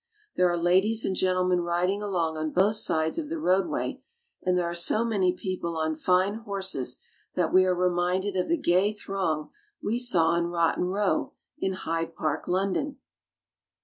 There are ladies and gentlemen riding along on both sides of the roadway, and there are so many people on fine horses that we are reminded of the gay throng we saw on Rotten Row in Hyde Park, London.